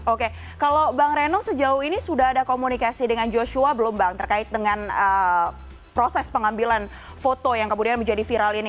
oke kalau bang reno sejauh ini sudah ada komunikasi dengan joshua belum bang terkait dengan proses pengambilan foto yang kemudian menjadi viral ini